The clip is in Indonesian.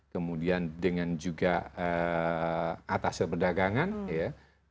kemudian dengan juga atas serberdagangan ya